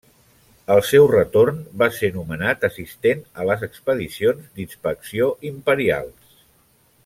Al seu retorn, va ser nomenat assistent a les expedicions d'inspecció imperials.